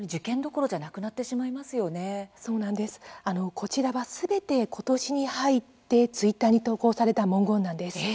こちらは、すべて今年に入ってツイッターに投稿された文言なんです。